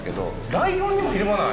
ライオンにもひるまない？